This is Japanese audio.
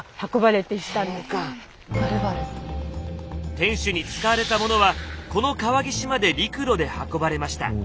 天守に使われたものはこの川岸まで陸路で運ばれました。